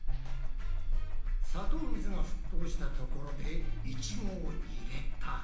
砂糖水が沸騰したところでイチゴを入れた。